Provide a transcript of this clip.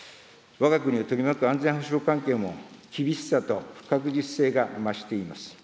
わが国を取り巻く安全保障環境も厳しさと不確実性が増しています。